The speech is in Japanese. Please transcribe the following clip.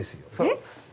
えっ⁉